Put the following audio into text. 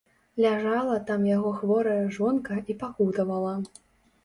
Ляжала там яго хворая жонка і пакутавала.